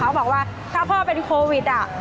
เขาบอกว่าถ้าพ่อเป็นโควิด